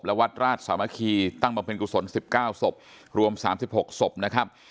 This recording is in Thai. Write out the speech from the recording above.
และวัดราชสามัคคีตั้งบำเพ็ญกุศล๑๙ศพรวม๓๖ศพนะครับ